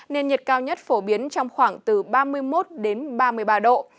nền nhiệt cao nhất phổ biến trong khoảng từ ba mươi một đến ba mươi ba độ